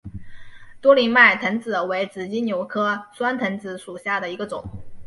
多脉酸藤子为紫金牛科酸藤子属下的一个种。